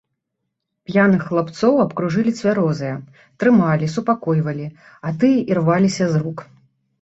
П'яных хлапцоў абкружылі цвярозыя, трымалі, супакойвалі, а тыя ірваліся з рук.